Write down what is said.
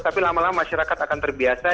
tapi lama lama masyarakat akan terbiasa